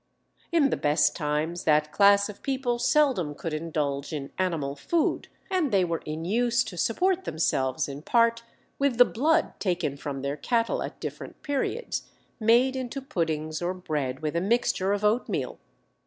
"In the best times that class of people seldom could indulge in animal food, and they were in use to support themselves in part with the blood taken from their cattle at different periods, made into puddings or bread with a mixture of oatmeal.